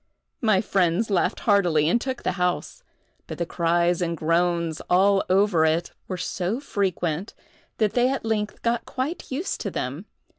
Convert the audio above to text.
My friends laughed heartily and took the house; but the cries and groans all over it were so frequent, that they at length got quite used to them.